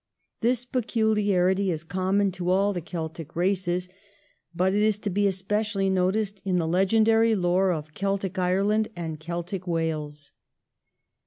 This pecuharity is common to all the Celtic races, but it is to be especially noticed in the legendary lore of Celtic Ireland and Celtic Wales.